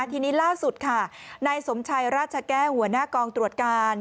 ทีนี้ล่าสุดค่ะนายสมชัยราชแก้วหัวหน้ากองตรวจการ